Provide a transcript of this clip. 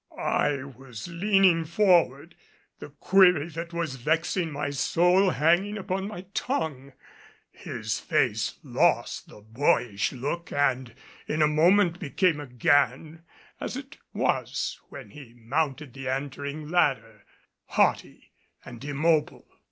I was leaning forward, the query that was vexing my soul hanging upon my tongue. His face lost the boyish look and in a moment became again as it was when he mounted the entering ladder haughty and immobile.